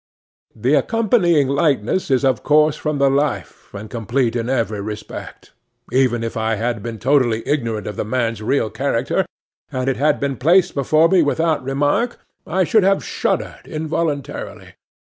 'The accompanying likeness is of course from the life, and complete in every respect. Even if I had been totally ignorant of the man's real character, and it had been placed before me without remark, I should have shuddered involuntarily.